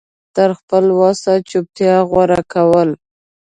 تر خپله وسه چوپتيا غوره کول